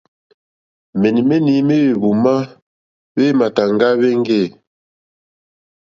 Menimeta me hwehvuma hwe matàŋga hweŋge.